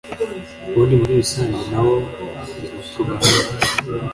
ubundi muri rusange ntabo tubana ,